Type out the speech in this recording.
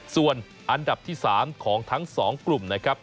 ส่วนอันดับที่๓ของทั้ง๒กลุ่มนะครับ